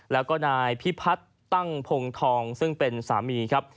แล้วก็นายพิพัฒน์ตั้งพงทองซึ่งเป็นสามีครับ